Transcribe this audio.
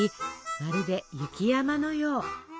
まるで雪山のよう。